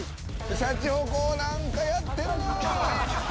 シャチホコ何かやってるなぁ。